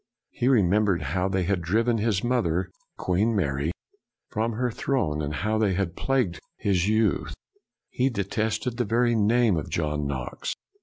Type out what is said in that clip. He remembered how they had driven his mother, Queen Mary, from her throne, and how they had plagued his youth. He detested the very name of John Knox.